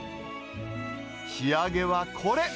仕上げはこれ。